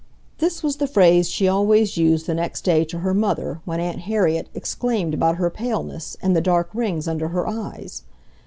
This was the phrase she always used the next day to her mother when Aunt Harriet exclaimed about her paleness and the dark rings under her eyes.